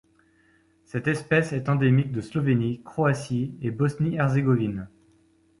Cette espèce est endémique de Slovénie, Croatie et Bosnie-Herzégovine.